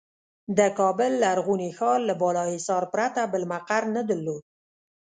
د کابل لرغوني ښار له بالاحصار پرته بل مقر نه درلود.